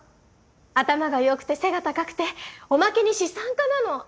頭が良くて背が高くておまけに資産家なの。